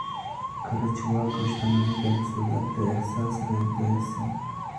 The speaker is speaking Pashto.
کله چي واک اوشتمني دمسئوليت داحساس سره يوځای سي.